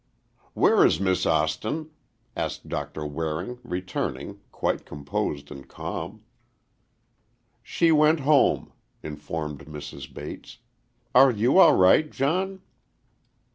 "Where is Miss Austin?" asked Doctor Waring, returning, quite composed and calm. "She went home," informed Mrs. Bates. "Are you all right, John?"